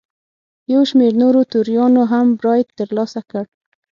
یو شمېر نورو توریانو هم برائت ترلاسه کړ.